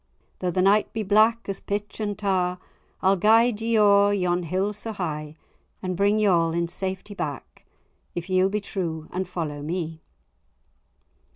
Though the night be black as pitch and tar, I'll guide ye o'er yon hill so high; And bring ye all in safety back, If ye'll be true and follow me."